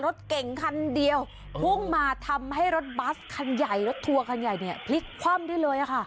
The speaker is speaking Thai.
รถเก่งคันเดียวพุ่งมาทำให้รถบัสคันใหญ่รถทัวร์คันใหญ่เนี่ยพลิกคว่ำได้เลยค่ะ